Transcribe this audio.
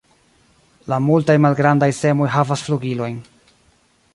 La multaj malgrandaj semoj havas flugilojn.